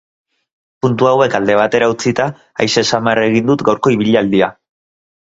Puntu hauek alde batera utzita, aise samar egin dut gaurko ibilaldia.